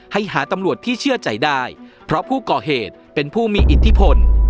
หาตำรวจที่เชื่อใจได้เพราะผู้ก่อเหตุเป็นผู้มีอิทธิพล